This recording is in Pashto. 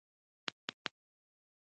مدا چې کي جي بي مزايمت ونکي.